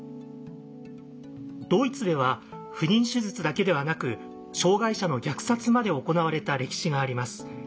ドイツでは不妊手術だけではなく障害者の虐殺まで行われた歴史があります。